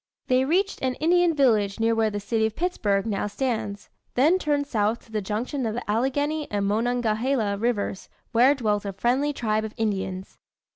They reached an Indian village near where the city of Pittsburgh now stands, then turned south to the junction of the Allegheny and Monongahela rivers where dwelt a friendly tribe of Indians.